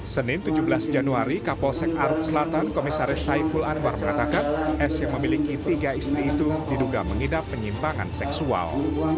senin tujuh belas januari kapolsek arut selatan komisaris saiful anwar mengatakan s yang memiliki tiga istri itu diduga mengidap penyimpangan seksual